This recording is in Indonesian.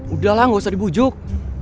udahlah gak usah dibujuk